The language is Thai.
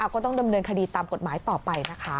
ก็ต้องดำเนินคดีตามกฎหมายต่อไปนะคะ